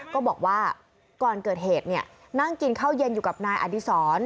ก็บอกว่าก่อนเกิดเหตุนั่งกินข้าวเย็นอยู่กับนายอดีศร